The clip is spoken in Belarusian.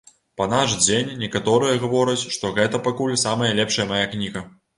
Па наш дзень некаторыя гавораць, што гэта пакуль самая лепшая мая кніга.